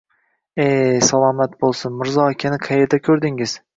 – E, salomat bo’lsin. Mirzo akani qayerda ko’rdingiz?